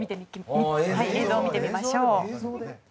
映像を見てみましょう。